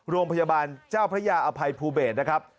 โรงพยาบาลเจ้าพระยาอภัยภูเบศนะครับ